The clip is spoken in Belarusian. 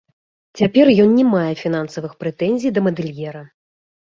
Цяпер ён не мае фінансавых прэтэнзій да мадэльера.